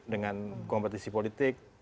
dengan kompetisi politik